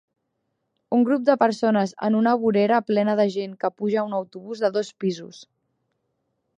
Un grup de persones en una vorera plena de gent que puja a un autobús de dos pisos.